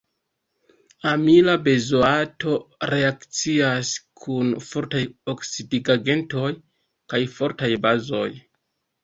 Amila benzoato reakcias kun fortaj oksidigagentoj kaj fortaj bazoj.